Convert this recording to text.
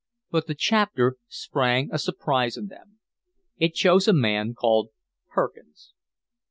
But the Chapter sprang a surprise on them. It chose a man called Perkins.